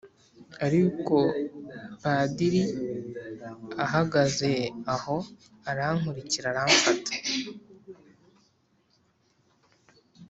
ariko Padiri ahagaze aho arankurikira aramfata